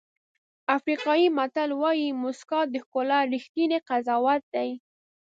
افریقایي متل وایي موسکا د ښکلا ریښتینی قضاوت دی.